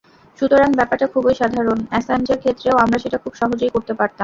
সুতরাং ব্যাপারটা খুবই সাধারণ, অ্যাসাঞ্জের ক্ষেত্রেও আমরা সেটা খুব সহজেই করতে পারতাম।